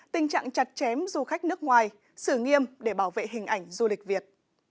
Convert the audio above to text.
tình trạng chặt chém du khách nước ngoài xử nghiêm để bảo vệ hình ảnh du lịch việt